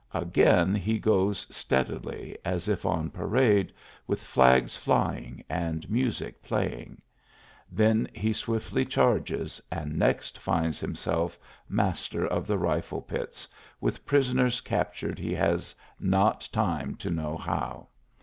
Again he goes steadily, as if on parade, with flags flying and music playing. Then he swiftly charges, and next finds himself miaster of the rifle pits, with prisoners captured he has not time to know how.